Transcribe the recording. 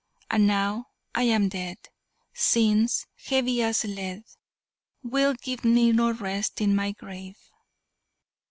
And, now I am dead, Sins, heavy as lead, Will give me no rest in my grave!"